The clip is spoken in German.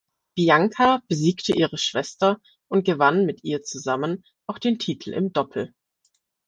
Bianca besiegte ihre Schwester und gewann mit ihr zusammen auch den Titel im Doppel.